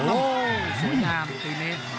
โอ้โหสวยงามปีนี้